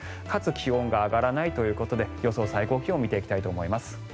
かつ気温が上がらないということで予想最高気温を見ていきたいと思います。